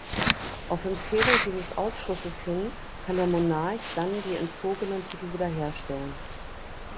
Auf Empfehlung dieses Ausschusses hin kann der Monarch dann die entzogenen Titel wiederherstellen.